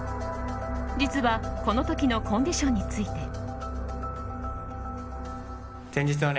実は、この時のコンディションについて。